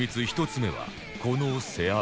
１つ目はこの背脂